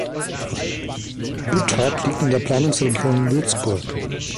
Bütthard liegt in der Planungsregion Würzburg.